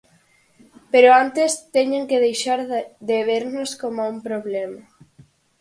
Pero antes teñen que deixar de vernos coma un problema.